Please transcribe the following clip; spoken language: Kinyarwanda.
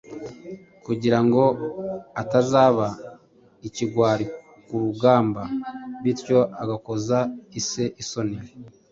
kugira ngo atazaba ikigwari ku rugamba, bityo agakoza ise isoni.